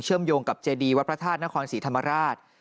เชื่อมโยงกับเจดีวัตถาสนครศรีธรรมราช